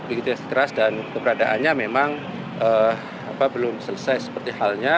begitu keras dan keberadaannya memang belum selesai seperti halnya